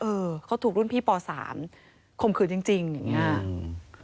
เออเขาถูกรุ่นพี่ป๓คมคืนจริงอย่างนี้